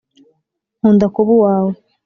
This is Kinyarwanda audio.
nkunda kuba uwawe